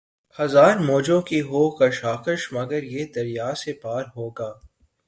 ہزار موجوں کی ہو کشاکش مگر یہ دریا سے پار ہوگا